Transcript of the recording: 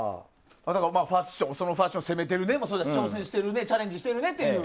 そのファッション攻めてるねとか挑戦しているねチャレンジしているねと。